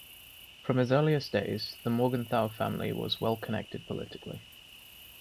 From his earliest days, the Morgenthau family was well-connected politically.